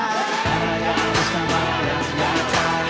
mana yang disalah yang nyata